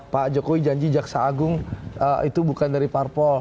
pak jokowi janji jaksa agung itu bukan dari parpol